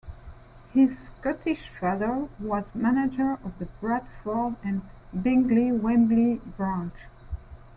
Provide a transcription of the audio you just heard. His Scottish father was manager of the Bradford and Bingley's Wembley branch.